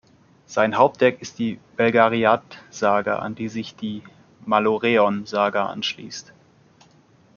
Sein Hauptwerk ist die "Belgariad-Saga", an die sich die "Malloreon-Saga" anschließt.